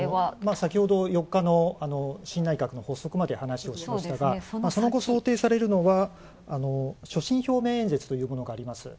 先ほど、４日の新内閣の発足まで話をしたんですがその後、想定されるのは所信表明演説というものがあります。